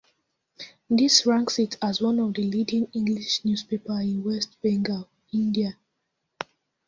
This ranks it as one of the leading English newspapers in West Bengal, India.